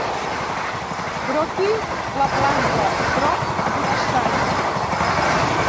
Broti la planta, prop d'un estany.